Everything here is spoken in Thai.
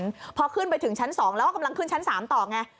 ถึงชั้น๒แล้วกำลังขึ้นชั้น๓ต่อไง